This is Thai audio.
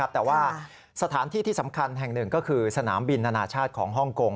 แต่ว่าสถานที่ที่สำคัญแห่งหนึ่งก็คือสนามบินนานาชาติของฮ่องกง